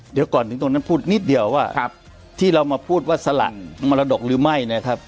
เดี๋ยวก่อนถึงตรงนั้นพูดนิดเดียวว่าที่เรามาพูดว่าสลั่นมรดกหรือไม่นะครับ